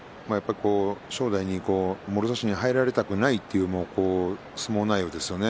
正代にもろ差しに入られたくないという相撲内容ですね。